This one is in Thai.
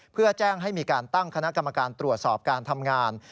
เพื่อแจ้งให้มีการตั้งคณะกรรมการตรวจสอบการทำงาน